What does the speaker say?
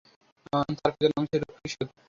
তার পিতার নাম ছিল পৃষত।